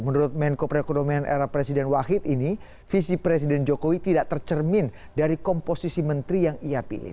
menurut menko perekonomian era presiden wahid ini visi presiden jokowi tidak tercermin dari komposisi menteri yang ia pilih